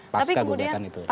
pasca gugatan itu